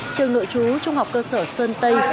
trường nội chú trung học cơ sở sơn tây